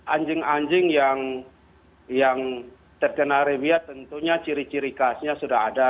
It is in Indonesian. anjing anjing yang terkena revia tentunya ciri ciri khasnya sudah ada